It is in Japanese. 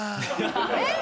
えっ？